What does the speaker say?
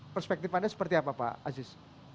perspektif anda seperti apa pak aziz